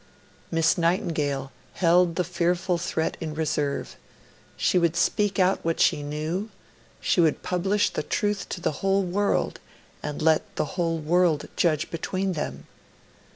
Miss Nightingale held the fearful threat in reserve she would speak out what she knew; she would publish the truth to the whole world, and let the whole world judge between them.